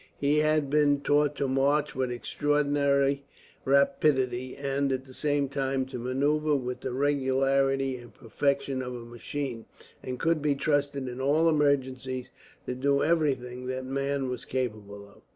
He had been taught to march with extraordinary rapidity, and at the same time to manoeuvre with the regularity and perfection of a machine; and could be trusted, in all emergencies, to do everything that man was capable of.